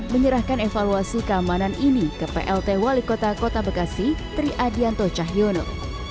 menyerahkan evaluasi keamanan ini ke plt wali kota kota bekasi tri adianto cahyono